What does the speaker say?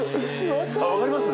あっ分かります？